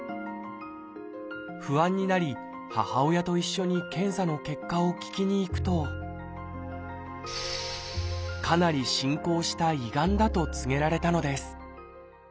不安になり母親と一緒に検査の結果を聞きに行くとかなり進行した胃がんだと告げられたのです